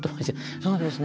そうですね。